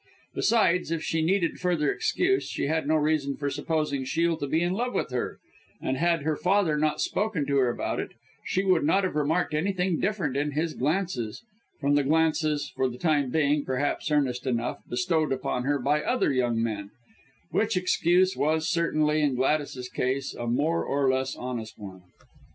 Besides, if she needed further excuse, she had no reason for supposing Shiel to be in love with her and had her father not spoken to her about it, she would not have remarked anything different in his glances, from the glances for the time being, perhaps, earnest enough bestowed upon her by other young men; which excuse, was, certainly, in Gladys's case, a more or less honest one.